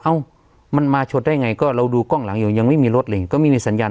เอ้ามันมาชนได้ไงก็เราดูกล้องหลังอยู่ยังไม่มีรถเห็งก็ไม่มีสัญญาณ